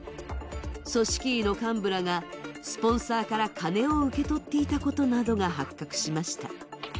組織委の幹部らがスポンサーから金を受け取っていたことなどが発覚しました。